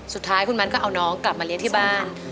สุดท้ายคุณมันก็เอาน้องกลับมาเลี้ยงที่บ้าน